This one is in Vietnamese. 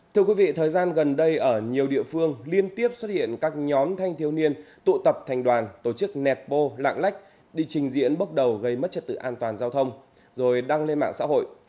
thưa quý vị thời gian gần đây ở nhiều địa phương liên tiếp xuất hiện các nhóm thanh thiếu niên tụ tập thành đoàn tổ chức nẹp bô lạng lách đi trình diễn bước đầu gây mất trật tự an toàn giao thông rồi đăng lên mạng xã hội